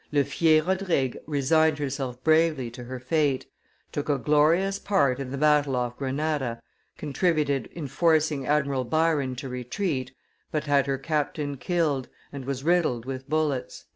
Le Fier Rodrique resigned herself bravely to her fate, took a glorious part in the battle off Grenada, contributed in forcing Admiral Byron to retreat, but had her captain killed, and was riddled with bullets."